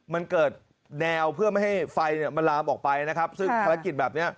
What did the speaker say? มันเกิดแนวเพื่อไม่ให้ไฟเนี่ยมันลามออกไปนะครับซึ่งภารกิจแบบเนี้ย